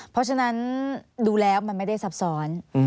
เพราะฉะนั้นดูแล้วมันไม่ได้ซับซ้อน